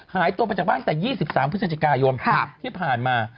หายตัวไปจากบ้านตั้งแต่๒๓พฤศจิกายนที่ผ่านมา